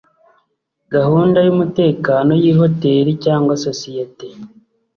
gahunda y umutekano y ihoteri cyangwa sosiyete